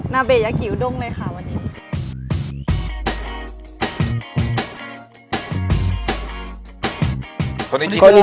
นาเบยะหิวด้งเลยค่ะวันนี้